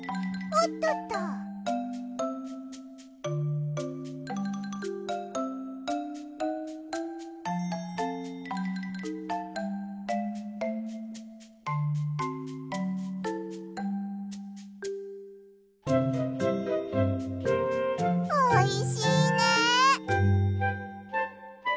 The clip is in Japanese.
おいしいね！